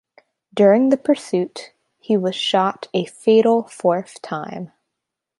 During the pursuit, he was shot a fatal fourth time.